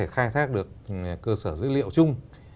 khai thác được cơ sở dữ liệu chung